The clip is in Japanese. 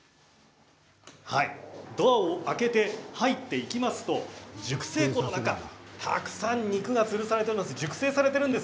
ドアを開けて入っていきますと熟成庫の中たくさん肉がつるされて熟成されています。